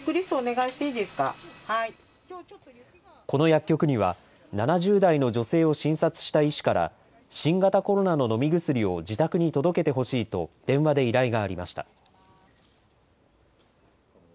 この薬局には７０代の女性を診察した医師から、新型コロナの飲み薬を自宅に届けてほしいと電話で依頼がありました。